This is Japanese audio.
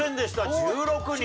１６人。